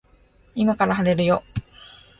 今から晴れるよ